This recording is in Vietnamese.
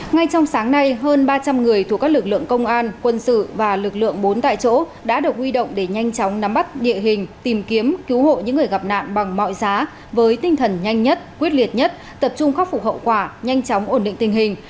ngay trong sáng nay hơn ba trăm linh người thuộc các lực lượng công an quân sự và lực lượng bốn tại chỗ đã được huy động để nhanh chóng nắm bắt địa hình tìm kiếm cứu hộ những người gặp nạn bằng mọi giá với tinh thần nhanh nhất quyết liệt nhất tập trung khắc phục hậu quả nhanh chóng ổn định tình hình